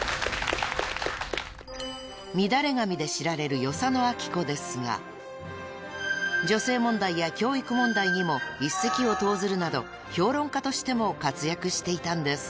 ［『みだれ髪』で知られる与謝野晶子ですが女性問題や教育問題にも一石を投ずるなど評論家としても活躍していたんです］